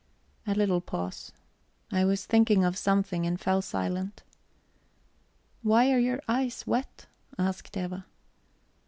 A little pause. I was thinking of something, and fell silent. "Why are your eyes wet?" asked Eva.